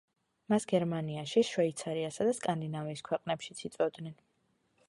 მას გერმანიაში, შვეიცარიასა და სკანდინავიის ქვეყნებშიც იწვევდნენ.